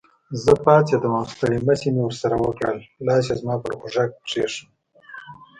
زه پاڅېدم او ستړي مشي مې ورسره وکړل، لاس یې زما پر اوږه کېښود.